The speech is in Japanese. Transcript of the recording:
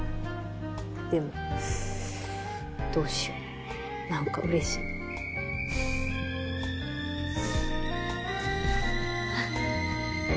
でもどうしよう何か嬉しいあ